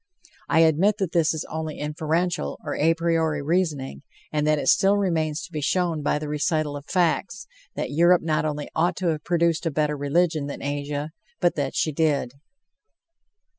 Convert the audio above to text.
I admit that this is only inferential, or a priori reasoning, and that it still remains to be shown by the recital of facts, that Europe not only ought to have produced a better religion than Asia, but that she did.